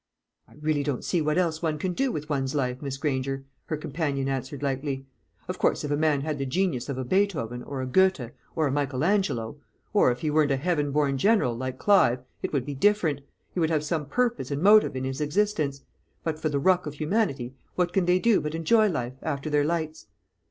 "I really don't see what else one can do with one's life, Miss Granger," her companion answered lightly. "Of course, if a man had the genius of a Beethoven, or a Goethe, or a Michael Angelo or if he were 'a heaven born general,' like Clive, it would be different; he would have some purpose and motive in his existence. But for the ruck of humanity, what can they do but enjoy life, after their lights?"